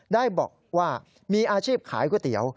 ได้บอกว่ามีอาชีพขายก๋วยเตี๋ยว